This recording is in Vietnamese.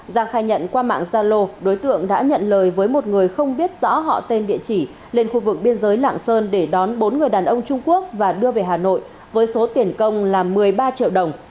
giang khai nhận qua mạng gia lô đối tượng đã nhận lời với một người không biết rõ họ tên địa chỉ lên khu vực biên giới lạng sơn để đón bốn người đàn ông trung quốc và đưa về hà nội với số tiền công là một mươi ba triệu đồng